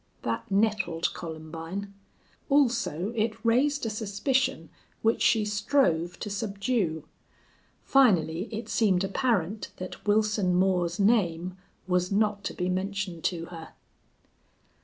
That nettled Columbine. Also it raised a suspicion which she strove to subdue. Finally it seemed apparent that Wilson Moore's name was not to be mentioned to her.